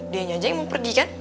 dianya aja yang mau pergi kan